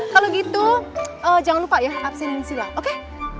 kalau gitu jangan lupa ya absenin sila oke